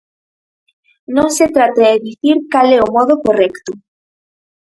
Non se trata de dicir cal é o modo correcto.